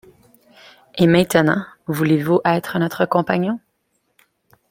Et maintenant, voulez-vous être notre compagnon?